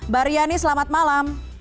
bariani selamat malam